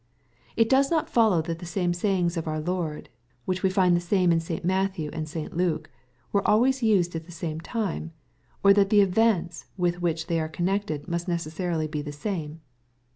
It does not follow that the sayings of our Lord, which we find the same in St. Matthew and St. Luke, were always used at the same time, or that the events with which they are connected must necessarily be the same.